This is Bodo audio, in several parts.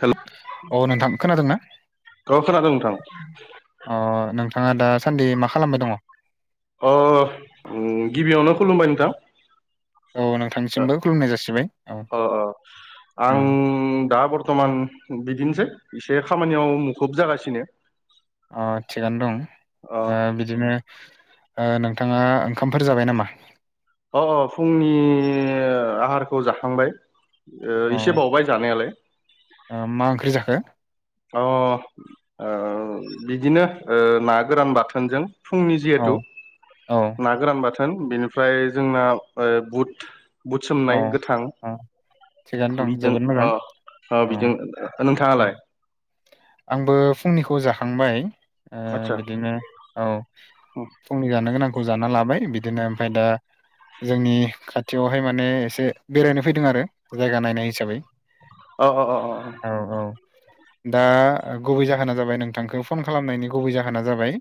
हेल' औ नोंथां खोनादों ना? औ खोनादों नोंथां अ' नोंथाङा दा सान्दि मा खालामबाय दङ? अ' उम गिबियावनो खुलुमबाय नोंथां। औ ओ नोंथांनिसिमबो खुलुमनाय जासिबाय औ अ' अ' आं उम ओं दा बर्थमान बिदिनोसै एसे खामानियाव मुखुब जागासिनो। अ' थिगानो दं। अ ओ बिदिनो ओ नोंथाङा ओंखामफोर जाबाय नामा? अ' अ' फुंनि आहारखौ जाखांबाय अ एसे बावबाय जानायालाय। ओ मा ओंख्रि जाखो? अ' ओ बिदिनो ओ ना गोरान बाथोनजों फुंनि जिहेथु औ औ ना गोरान बाथोन बेनिफ्राय जोंना ओ बुट बुद औ सोमनाय गोथां। औ थिगानो दं बिजों जोबोद मोजां ओ ओ औ बिजों उम नोंथाङालाय? आंबो फुंनिखौ जाखांबाय। ओ आदसा बिदिनो औ फुंनि जानो गोनांखौ जाना लाबाय। बिदिनो ओमफ्राय दा जोंनि खाथियावहाय मा माने एसे बेरायनो फैदों आरो जायगा नायनाय हिसाबै। अ' अ' अ' औ औ दा गुबै जाहोना जाबाय नोंथांखौ फन खालामनायनि गुबै जाहोना जाबाय।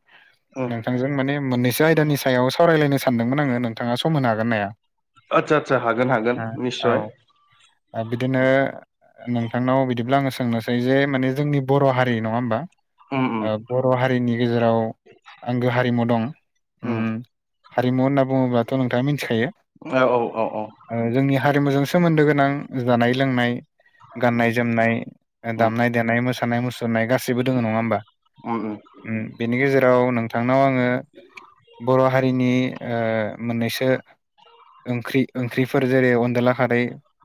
उम नोंथांजों माने मोननैसो आयदानि सायाव सावरायलायनो सानदोंमोन आङो नोंथाङा सम होनो हागोन हाया? आथसा सा‌ हागोन हाग आ औ ओ बिदिनो नोंथांनाव बिदिब्ला आङो सोंनोसै जे माने जोंनि बर' हारि नङा होमबा? उम उम ओ‌ बर' हारिनि गेजेराव आंगो हारिमु दं उम हारिमु होनना बुङोब्लाथ' नोंथाङा मोथिखायो? औ औ औ औ ओ जोंनि हारिमुजों सोमोन्दो गोनां जानाय लोंनाय, गाननाय उम जोमनाय ओ उम दामनाय देनाय मोसानाय मुसुरनाय गासैबो दोङो नङा होमबा? उम बेनि गेजेराव नोंथांनाव आङो बर' हारिनि ओ मोननैसो ओंख्रि ओंख्रिफोर जेरै अनदला खारै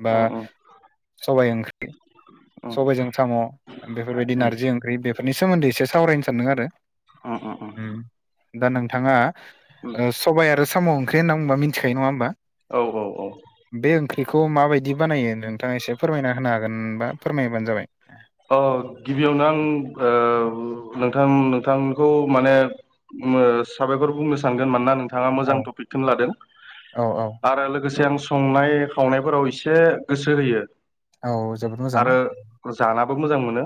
बा उम उम सबाय‌ ओंख्रि उम सबायजों साम' बेफोरबायदि उम नारजि ओंख्रि बेफोरनि सोमोन्दै एसे सावरायनो सानदों आरो। उम उम उम दा नोंथाङा सबाइ आरो साम' ओंख्रि होनना बुंङोबा मिथिखायो नङा होमबा? औ औ औ बे ओंख्रिखौ माबायदि बानायो नोंथाङा एसे फोरमायना होनो हागोनबा फोरमायबानो जाबाय। अ गिबियावनो आं नोंथां नोंथांखौ माने साबायखर बुंनो सानगोन मानोना नों थाङा औ मोजां टपिकखौनो लादों औ औ आरो लोगोसे आं सु संनाय खावनायफोराव एसे गोसो होयो। औ जोबोद मोजां। आरो जानाबो मोजां मोनो।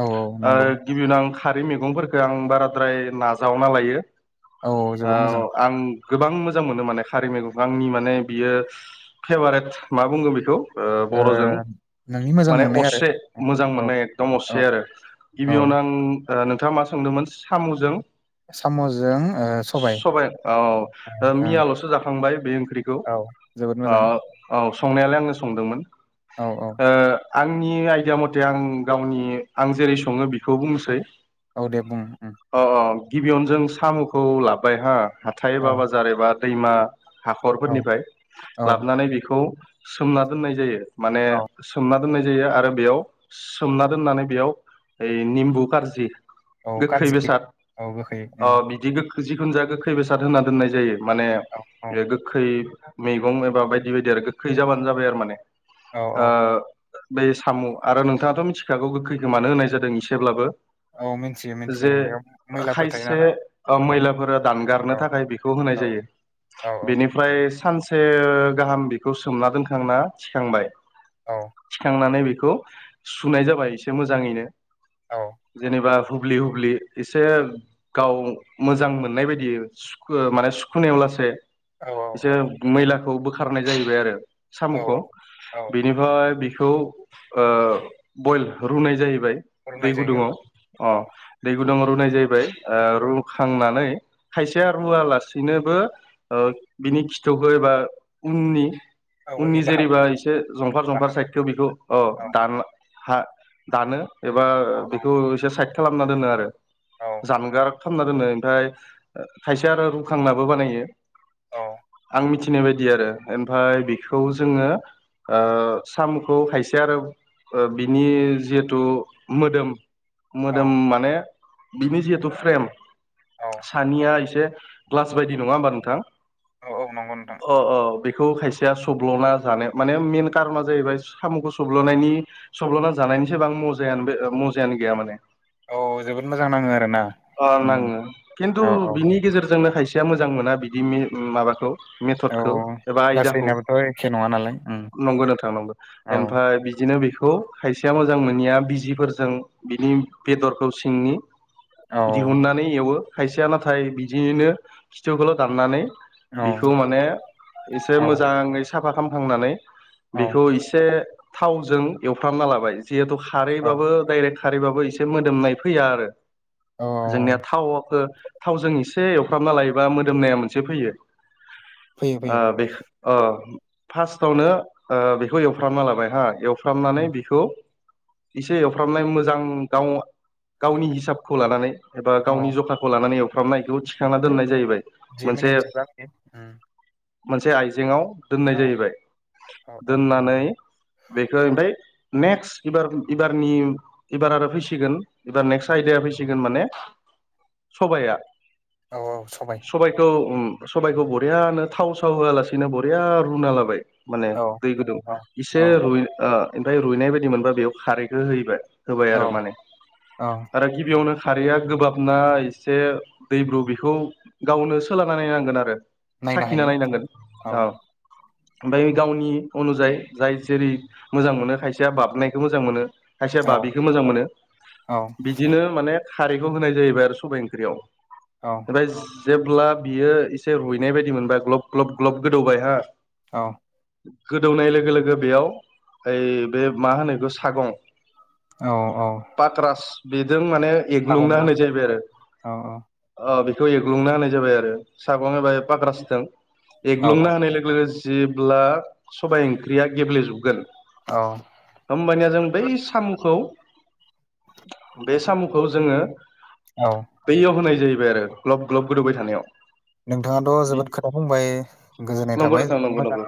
औ औ ओ नंगौ गिबियावनो आं खारै मैगंफोरखो आं बाराद्राय नाजावना लायो। औ आ जोबोद मोजां आं गोबां मोजां मोनो माने खारै मैगंखौ आंनि माने बियो फेभारेट मा बुंगोन बेखौ? ओ बर'जों नोंनि मोजां माने मोननाय आरो असे मोजां औ मोननाय एकदम असे औ आरो औ गिबियावनो आं नोंथाङा मा सोंदोंमोन साम'जों साम'जों ओ सबाय सबाइ औ ओं मियाल'सो जाखांबाय बे ओंख्रिखौ औ जोबोद ओ मोजां औ संनायालाय आङो संदोंमोन औ औ आंनि आइदिया मथे आं गावनि आं जेरै सङो बेखौ बुंनोसै औ दे बुं उम अ अ गिबियावनो जों साम'खौ लाबोबाय हा हाथाय औ एबा बाजार एबा दैमा औ हाखरफोरनिफ्राय औ लाबोनानै बेखौ सोमना दोननाय जायो माने औ सोमना दोननाय जायो आरो बेयाव सोमना दोननानै बेयाव ओइ निम्बु गारजि औ गोखै कारजि बेसाद औ गोखै उम अ बिदि गोख जिखुन जाया गोखै बेसाद होना दोननाय जायो माने औ औ बे गोखै मैगं एबा बायदि बायदि आरो गोखै जाबानो जाबाय आरो माने औ औ बे साम' आरो नोंथाङाथ' मिथिखागौ गोखैखौमानो होनाय जादों एसेब्लाबो औ मिन्थियो मिन्थियो जे बेयाव मैलाफोर थायो खायसे नालाय मैलाफोरा दानगारनो औ थाखाय बेखौ होनाय औ जायो। औ बेनिफ्राय सानसे गाहाम बेखौ सोमना दोनखांना थिखांबाय औ थिखांनानै बेखौ सुनाय जाबाय एसे मोजाङैनो औ जेनेबा हुब्लि हुब्लि एसे गाव मोजां मोननाय बायदि सुखु माने सुखुनायाव लासे औ एसे मैलाखौ बोखारनाय जाहैबाय आरो औ साम'खौ औ बेनिफ्राय बिखौ बयल रुनाय जाहैबाय रुनाय दै जायो गुदुङाव अ औ दै गुदुं रुनाय जाहैबाय रुखांनानै खायसेया रुवालासिनोबो बिनि खिथुखौ एबा उननि औ उननि बाहागो जेरैबा एसे जंफार जंफार बाहागो साइदखौ बेखौ औ दान हा दानो एबा औ औ बेखौ एसे साइद खालामना दोनो आरो औ जानगारथाबना दोनो ओमफ्राय खायसे आरो रुखांनाबो बानायो औ आं मिथि फैनाय बायदि आरो आमफाय बिखौ जोङो ओ सामुखौ खायसे आरो बिनि जिहेथु मोदोम औ मोदोम माने बिनि जिहेथु फ्रेम औ सानिया एसे ग्लास बायदि नङा होमबा नोंथां औ औ नंगौ नोंथां। अ अ बेखौ खायसेया सब्ल'ना जानो माने मेन कारना जाहैबाय साम'खौ सब्ल'नायनि सब्ल'ना जानायनिसोबां मजायानो मजायानो गैया माने औ जोबोद मोजां नाङो आरोना अ उम नांङो खिन्थु औ औ बिनि गेजेरजोंनो खायसेया मोजां मोना बिदि माबाखौ औ मेथदखौ एबा आयदाखौ गासैनाबोथ' एखे नङा नालाय उम नंगौ न थांनांगौ। औ बिदिनो बेखौ खायसेया मोजां मोननिया बिजिफोरजों बिनि बेदरखौ सिंनि औ दिहुननानै एवो खायसेया नाथाय बिदियैनो खिथुखौल' दाननानै औ बिखौ माने एसे औ मोजाङै साफा खामखांनानै औ बेखौ एसे थावजों एवफ्रामना लाबाय जिहेथु औ खारैबाबो डाइरेक्ट खारैबाबो एसे मोदोमनाय फैया आरो अ जोंनिया थावख थावजों एसे एवफ्रामना लायोबा मोदोमनाया मोनसे फैयो। फैयो फैयो बे फार्स्टावनो बेखौ एवफ्रामना लाबाय हा खालामनानै बेखौ एसे एवफ्रामनाय मोजां गाव गावनि हिसाबखौ लानानै एबा गावनि जखाखौ लानानै एवफ्रामनायखौ थिखांना दोननाय जाहैबाय मोनसे जमनि जब मोनसे आइजेंाव दोननाय जाहैबाय औ औ दोननानै बेखौ ओमफ्राय नेक्स्टबार एबारनि एबार आरो फैसिगोन एबार नेक्स्ट आयदाया फैसिगोन माने सबाया औ औ सबबाय सबाइखौ सबाइखौ बरियाानो थाव साव होआलासिनो बरिया रुना लाबाय माने औ दै गुदुं औ इसे औ रुइ ओमफ्राय रुइनाय बायदि मोनबा बेयाव खारैखौ होबाय होबाय औ आरो माने औ आरो गिबियावनो खारैया गोबाबना एसे दैब्रु बेखौ गावनो सोलना नायनांगोन आरो। नायनो साखिना हायो नायनांगोन औ ओमफ्राय गावनि अनुजायै जाय जेरै मोजां मोनो खायसेया बाबनायखौ मोजां मोनो। औ खायसेयाबा बेखौ मोजां मोनो। औ बि बिदिनो माने खारैखौ होनाय जाहैबाय आरो सबाइ ओंख्रियाव औ ओमफ्राय जेब्ला बियो एसे रुइनाय बायदि मोनबाय ग्लब ग्लब ग्लब गोदौबाय हा औ गोदौनाय लोगो लोगो बेयाव ओइ बे मा होनोखौ सागं औ औ पाक्रास बेजों माने एग्लुंना सागंजों होनाय जाहैबाय आरो औ अ बेखौ एग्लुंना होनाय जाबाय आरो सागं एबा पाग्रा सिथों एग्लुंना औ होनाय लोगो लोगो जेब्ला सबाइ ओंख्रिया गेब्लेजोबगोन। औ होमबानिया जों बै साम'खौ बे साम'खौ जोङो औ बैयाव होनाय जाहैबाय आरो ग्लब ग्लब गोदौबाय थानायाव नोंथाङाथ' जोबोद खोथा बुंबाय गोजोननाय नंगौ थाबाय नोंथां जोबोद नंगौ मोजां नंगौ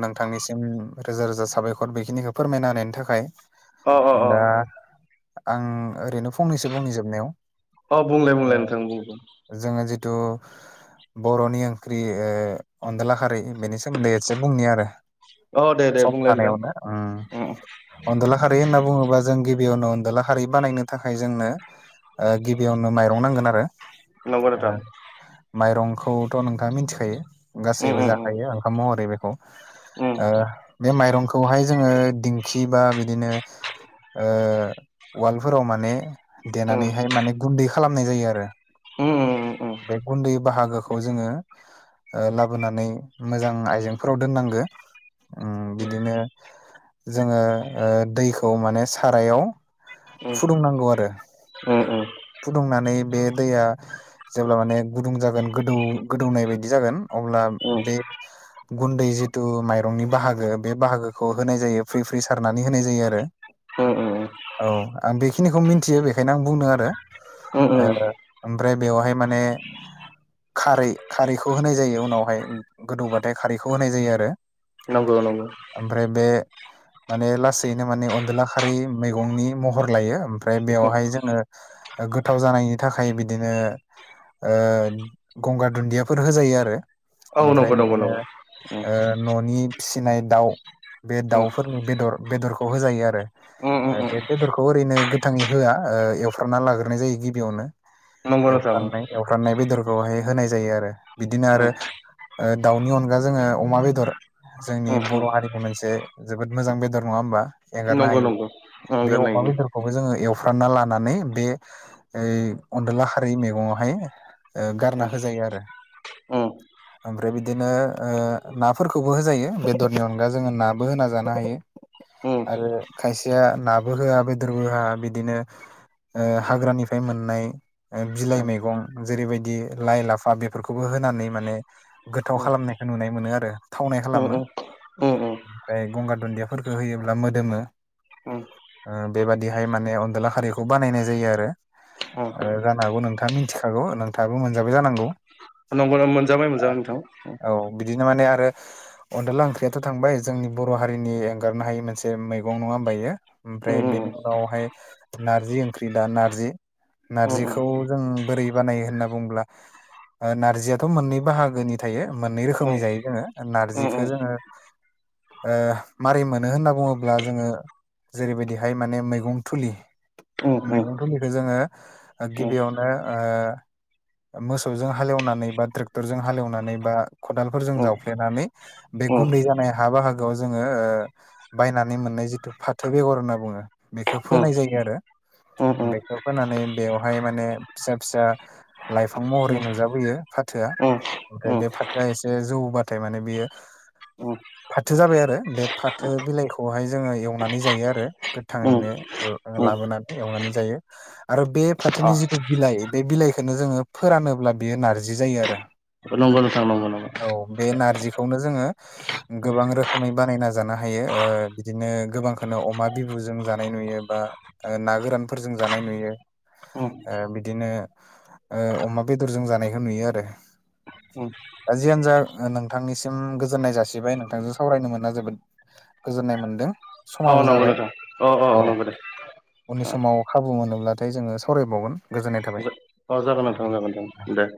नोंथांनिसिम रोजा रोजा साबायखर बेखिनिखौ फोरमायना होनायनि थाखाय अ अ अ दा आं ओरैनो फंनैसो बुंनि जोबनायाव अ बुंलाय बुंलाय नोंथां बुं जोङो जिथु बर'नि ओंख्रि अनदला खारि बेनि सोमोन्दै एसे बुंनि आरो अ दे दे सम बुंलाय नोंथां थानायावनो उम अनदलाहारि होनना बुङोबा जों गिबियावनो अनदला हारि बानायनो थाखाय जोंनो गिबियावनो माइरं नांगोन आरो नंगौ नोंथां ओ माइरंखौथ' नोंथाङा मिथिखायो उम गासैबो उम जाखायो ओंखाम महरै बेखौ उम बे माइरंखौहाय जोङो खि बा बिदिनो उवालफोराव माने देनानैहाय माने गुन्दै खालामनाय जायो आरो ह उम उम बे गुन्दै बाहागोखौ जोङो लाबोनानै मोजां आइजेंफोराव दोननांगो बिदिनो जोङो दैखौ माने सारायाव फुदुंनांगौ आरो [inaudible] फुदुंनानै बे दैया जेब्ला माने गुदुं जागोन गोदौ गोदौनाय बायदि जागोन अब्ला बे गुन्दै जिथु माइरंनि बाहागो बे बाहागोखौ होनाय जायो फ्रि फ्रि सारनानै होनाय जायो आरो उम उम औ आं बेखिनिखौ मिथियो बेखायनो आं बुंनो आरो उम उम ओमफ्राय बेवहाय माने खारै खारैखौ होनाय जायो उनावहाय गोदौबाथाय खारैखौ होनाय जायो आरो नंगौ नंगौ। ओमफ्राय बे माने लासैनो माने अनदला खारि मैगंनि महर लायो ओमफ्राय बेवहाय जोङो। गोथाव जानायनि थाखाय बिदिनो गंगार दुन्दियाफोर होजायो आरो औ ओमफ्राय नंगौ नंगौ बिदिनो नंगौ उम न'नि फिसिनाय दाउ बे उम दाउफोरनि बेदर बेदरखौ होजायो आरो उम उम बेदरखौ ओरैनो गोथाङै होआ एवफ्राबना लाग्रो हरनाय जायो गिबियावनो नंगौ नोंथां एवखारनाय उम एवफ्रान्नाय बेदरखौहाय होनाय जायो आरो बिदिनो आरो दाउनि अनगा जोङो अमा बेदर जोंनि उम उम बर' हारिनि मोनसे जोबोद मोजां बेदर नङा होमबा एंगारनो नंगौ हायो नंगौ उम बे अमा गोरलैयैनो बेदरखौबो जोङो एवफ्रानना लानानै बे इ अनदला खारै मैगङावहाय गारना होजायो आरो उम [inaudible] ओमफ्राय बिदिनो नाफोरखौबो होजायो बेदरनि अनगा जोङो नाबो होना जानो हायो। उम आरो खायसेया नाबो होआ बेदरबो होआ बिदिनो हाग्रानिफ्राय मोननाय बिलाइ उम मैगं जेरैबायदि लाइ लाफा बेफोरखौबो होनानै माने उम गोथाव खालामनायखौ नुनाय मोनो आरो थावनाय उम खालामो। उम उम ओमफ्राय गंगार दुन्दियाफोरखौ होयोब्ला मोदोमो। उम बेबादिहाय माने अनदला खारिखौ बानायनाय जायो आरो जानो हागौ नोंथाङा मिथिखागौ नोंथाङाबो मोनजाबाय जानांगौ नम्बरा मोनजाबाय मोनजाबाय नोंथां। औ बिदिनो माने आरो अनदला ओंख्रियाथ' थांबाय जोंनि बर' हारिनि एंगारनो हायि मोनसे मैगं नङा होमबा इयो ओमफ्राय उम बेनि उनावहाय नारजि ओंख्रि दा नारज नारजि उम नारजिखौ जों बोरै बानायो होनना बुंुङ्ला नारजयाथ' मोननै बाहागोनि थायो मोननै उम रोखोमनि जायो जोङो उम उम नारजिखौो जोङो मारै मोनो होनना बुङोब्ला जोङो जेरैबायदिहाय माने मैगं थुलि अ अ निखौ जोङो गिबियावनो मोसौजों हालेवनानै बा ट्रेक्टरजों हालेवनानै बा खदालफोरजों जावफ्लेनानै बे गुन्दै जानाय हा बाहागोआव जोङो बायनानै मोननाय जिथु फाथो बेगर होनना बुङो बेखौ फोनाय जायो आरो बेखौ फोनानै बेवहाय माने फिसा फिसा लाइफां महरै नुजाबोयो फाथोआ ओमफ्राय बे फाथआ एसे जौबाथाय माने बियो औ फाथो जाबाय आरो बे फाथो बिलाइखौहाय जोङो एवनानै जायो आरो गोथाङैनो आ लाबोनानै एवनानै जायो आरो बे फाथोनि जिथु बिलाइ बे बिलाइखौनो जोङो फोरानोब्ला बेयो नारजि जायो आरो न थांांगौांगा औ बे नारजिखौनो जोङो गोबां रोखोमै बानायना जानो हायो बिदिनो गोबांखौनो अमा बिबुजों जानाय नुयो बा ना गोरानफोरजों जानाय नुयो अ ओ बिदिनो ओ अमा बेदरजों जानायखौ नुयो आरो औ जियानो जा नोंथांनिसिम गोजोननाय जासिबाय नोंथांजों सावरायनो मोना जोबोद गोजोननाय मोनदों समाबो नंगौ जाबाय नोंथां अ अ औ नंगौ दे उननि समाव खाबु मोनोब्लाथाय जोङो सावरायबावगोन गोजोन्नाय थाबाय अ जागोन नोंथां जागोनां दे